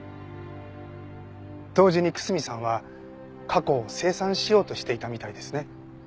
同時に楠見さんは過去を清算しようとしていたみたいですね。